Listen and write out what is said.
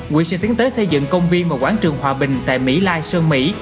quỹ sẽ tiến tới xây dựng công viên và quảng trường hòa bình tại mỹ lai sơn mỹ